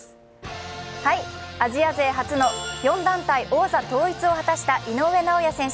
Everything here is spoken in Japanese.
アジア勢初の４団体王座統一を果たした井上尚弥選手。